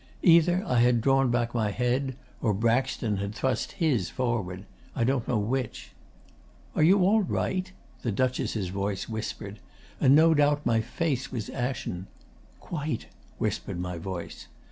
Either I had drawn back my head, or Braxton had thrust his forward; I don't know which. "Are you all right?" the Duchess' voice whispered, and no doubt my face was ashen. "Quite," whispered my voice.